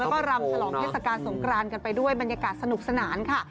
แล้วก็รำฉลองเทศกาลสงกรานกันไปด้วยบรรยากาศสนุกสนานค่ะ